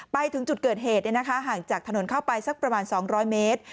ไปถึงจุดเกิดเหตุห่างจากถนนเข้าไปสักประมาณ๒๐๐เมตร